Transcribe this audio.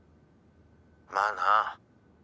「まあな」